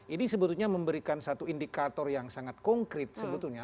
ini sebetulnya memberikan satu indikator yang sangat konkret sebetulnya